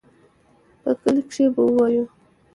په کلي کښې به ووايو.